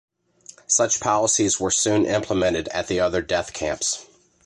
Such policies were soon implemented at the other death camps.